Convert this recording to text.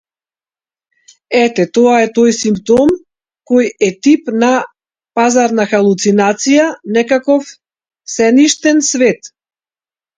Ете тоа е тој симптом кој е тип на пазарна халуцинација, некаков сенишен свет.